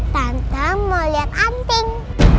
tante mau liat anting